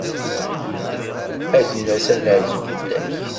Ad d-nas ad nerzu fell-ak.